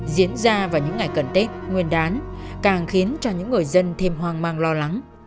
diễn ra vào những ngày cận tết nguyên đán càng khiến cho những người dân thêm hoang mang lo lắng